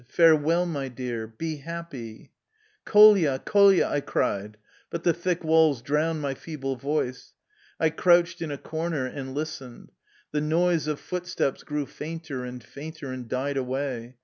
Farewell, my dear I Be happy !"" Kolia ! Kolia !'^ I cried, but the thick walls drowned my feeble voice. I crouched in a cor ner and listened. The noise of footsteps grew fainter and fainter and died away.